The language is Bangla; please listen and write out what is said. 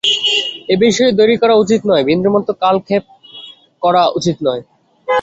এ বিষয়ে দেরী করা উচিত নয়, বিন্দুমাত্র কালপেক্ষ করা উচিত নয়।